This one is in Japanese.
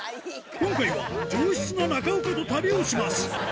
今回は上質な中岡と旅をします。